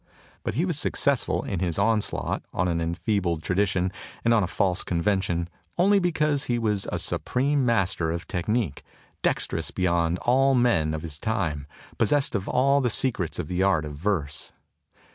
But he was successful in his on slaught on an enfeebled tradition and on a false convention only because he was a supreme master of technic, dextrous beyond all the men of his time, possessed of all the secrets of the art of verse.